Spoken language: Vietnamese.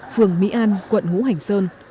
phường mỹ an quận hữu hành sơn